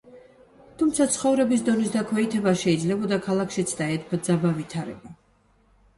თუმცა ცხოვრების დონის დაქვეითებას შეიძლებოდა ქალაქშიც დაეძაბა ვითარება.